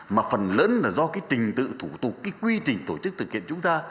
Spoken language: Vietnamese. mà phần lớn là do cái trình tự thủ tục cái quy trình tổ chức thực hiện chúng ta